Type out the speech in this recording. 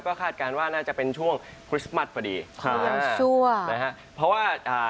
ก็คาดการณ์ว่าน่าจะเป็นช่วงคริสต์มัสพอดีค่ะยังชั่วนะฮะเพราะว่าอ่า